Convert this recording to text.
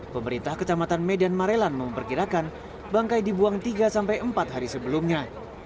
pemerintah kecamatan medan marelan memperkirakan bangkai dibuang tiga sampai empat hari sebelumnya